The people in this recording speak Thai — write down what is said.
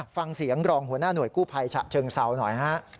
ฟังเสียงรองหัวหน้าหน่วยกู้ภัยฉะเชิงเซาหน่อยฮะ